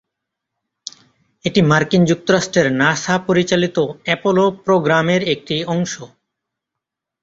এটি মার্কিন যুক্তরাষ্ট্রের নাসা পরিচালিত অ্যাপোলো প্রোগ্রামের একটি অংশ।